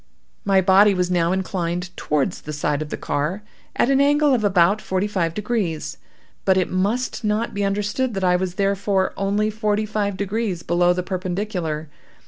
"My body was now inclined towards the side of the car, at an angle of about forty five degrees; but it must not be understood that I was therefore only forty five degrees below the perpendicular.